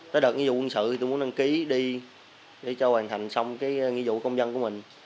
tới đợt nghĩa vụ quân sự thì tôi muốn đăng ký đi để cho hoàn thành xong cái nghĩa vụ công dân của mình